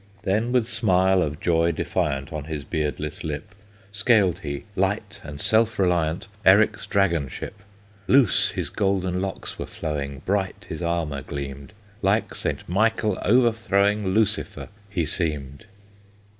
Then, with smile of joy defiant On his beardless lip, Scaled he, light and self reliant, Eric's dragon ship. Loose his golden locks were flowing, Bright his armor gleamed; Like Saint Michael overthrowing Lucifer he seemed.